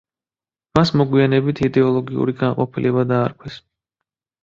მას მოგვიანებით იდეოლოგიური განყოფილება დაარქვეს.